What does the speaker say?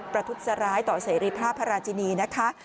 ประทุษร้ายต่อเสรีภาพพระราชินีนะคะ